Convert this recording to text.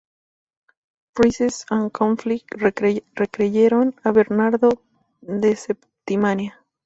Rasez y Conflent recayeron en Bernardo de Septimania.